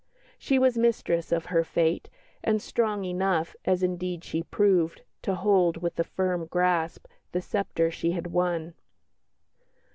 She was mistress of her fate, and strong enough (as indeed she proved) to hold, with a firm grasp, the sceptre she had won.